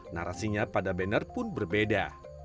narasinya pada banner pun berbeda